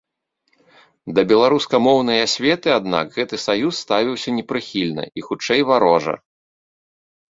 Да беларускамоўнай асветы, аднак, гэты саюз ставіўся непрыхільна і, хутчэй, варожа.